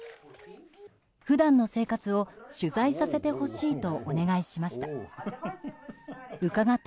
普段の生活を取材させてほしいとお願いしました。